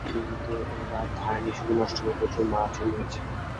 কিন্তু এবার ধানই শুধু নষ্ট হয়নি, প্রচুর মাছও মরেছে।